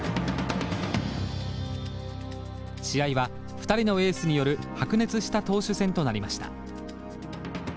試合は２人のエースによる白熱した投手戦となりました。